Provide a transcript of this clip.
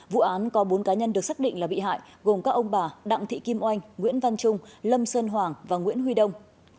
vụ án có bốn cá nhân được xác định là bị hại gồm các ông bà đặng thị kim oanh nguyễn văn trung lâm sơn hoàng và nguyễn huy đông